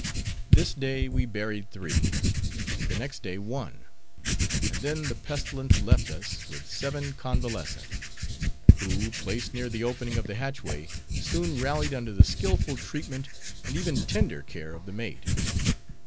This day we buried three; the next day one, and then the pestilence left us, with seven convalescent; who, placed near the opening of the hatchway, soon rallied under the skillful treatment, and even tender care of the mate.